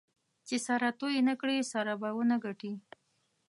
چې سره توی نه کړې؛ سره به و نه ګټې.